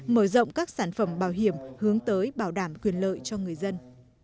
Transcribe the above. mở rộng các sản phẩm bảo hiểm hướng tới bảo đảm quyền lợi cho người dân